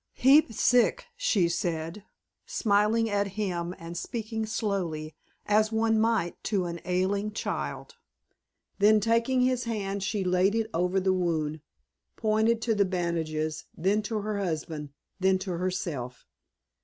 "Heap sick," she said, smiling at him and speaking slowly, as one might to an ailing child. Then taking his hand she laid it over the wound, pointed to the bandages, then to her husband, then to herself.